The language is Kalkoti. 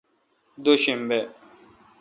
دو شنبہ